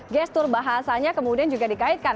gestur bahasanya kemudian juga dikaitkan